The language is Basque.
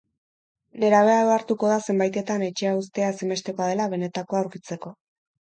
Nerabea ohartuko da zenbaitetan etxea uztea ezinbestekoa dela benetakoa aurkitzeko.